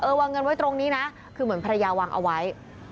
วางเงินไว้ตรงนี้นะคือเหมือนภรรยาวางเอาไว้